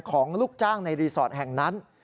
ของลูกจ้างในรีสอร์ทแห่งนั้น